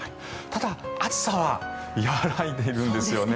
ただ、暑さは和らいでいるんですよね。